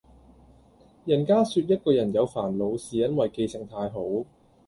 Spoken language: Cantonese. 人家說一個人有煩惱是因為記性太好